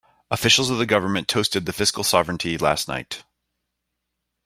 Officials of the government toasted the fiscal sovereignty last night.